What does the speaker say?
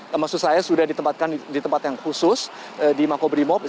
nah jadi kita bisa lihat di tempat yang khusus di makobrimob